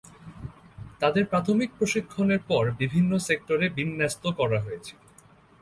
তাদের প্রাথমিক প্রশিক্ষণের পর বিভিন্ন সেক্টরে বিন্যস্ত করা হয়েছিলো।